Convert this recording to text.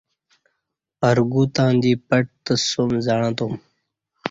ارگو تاں دی پٹ پتسوم زعں تم